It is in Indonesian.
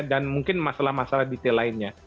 dan mungkin masalah masalah detail lainnya